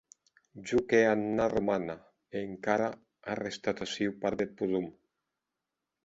Jo qu’è amna romana, e encara a restat aciu part deth podom.